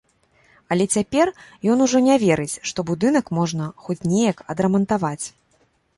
Але цяпер ён ужо не верыць, што будынак можна хоць неяк адрамантаваць.